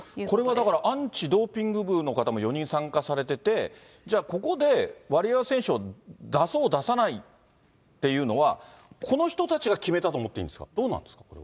これはだからアンチドーピング部の方も４人参加されてて、じゃあ、ここでワリエワ選手を出そう、出さないっていうのは、この人たちが決めたと思っていいんですか、どうなんですか？